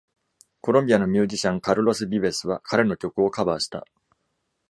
コロンビアのミュージシャン Carlos Vives は、彼の曲をカバーした。